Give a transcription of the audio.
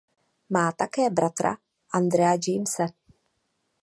Má také bratra Andrewa Jamese.